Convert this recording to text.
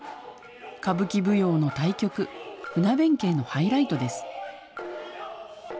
歌舞伎舞踊の大曲、船弁慶のハイライトです。